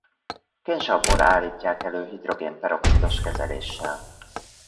Kénsavból állítják elő hidrogén-peroxidos kezeléssel.